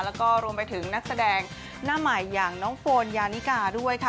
แล้วก็รวมไปถึงนักแสดงหน้าใหม่อย่างน้องโฟนยานิกาด้วยค่ะ